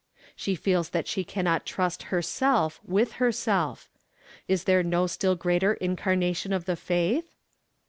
She feels that she cannot trust herself with herself. Is there no still greater incarnation of the faith?